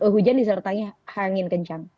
hujan disertanya angin kencang